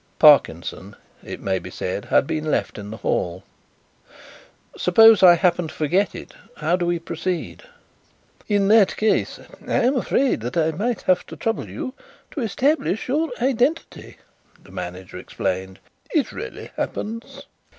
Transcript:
Parkinson, it may be said, had been left in the hall. "Suppose I happen to forget it? How do we proceed?" "In that case I am afraid that I might have to trouble you to establish your identity," the manager explained. "It rarely happens."